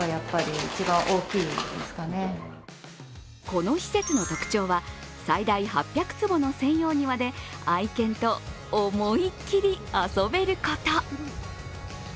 この施設の特徴は最大８００坪の専用庭で愛犬と思いっきり遊べること。